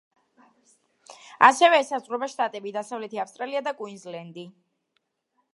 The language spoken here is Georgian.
ასევე ესაზღვრება შტატები: დასავლეთი ავსტრალია და კუინზლენდი.